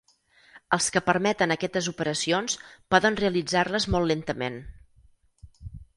Els que permeten aquestes operacions poden realitzar-les molt lentament.